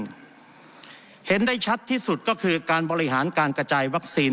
เห็นได้ชัดที่สุดก็คือการบริหารการกระจายวัคซีน